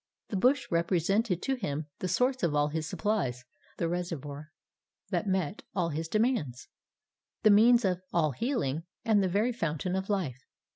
The bush represented to him the source of all his supplies, the reservoir that met all his demands, the means of all healing, and the very fountain of life.